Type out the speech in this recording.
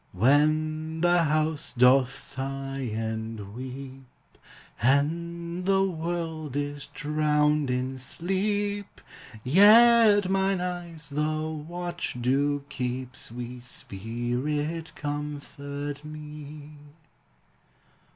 When the house doth sigh and weep, And the world is drowned in sleep, Yet mine eyes the watch do keep, Sweet Spirit, comfort me!